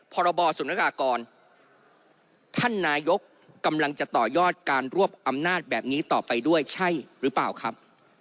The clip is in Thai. พรบศูนยากากรท่านนายกกำลังจะต่อยอดการรวบอำนาจแบบนี้ต่อไปด้วยใช่หรือเปล่าครับ